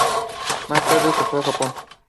Más tarde se fue a Japón.